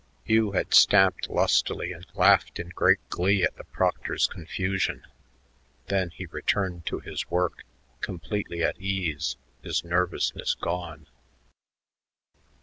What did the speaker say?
Hugh had stamped lustily and laughed in great glee at the proctor's confusion; then he returned to his work, completely at ease, his nervousness gone.